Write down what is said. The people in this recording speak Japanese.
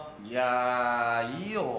いやいいよ！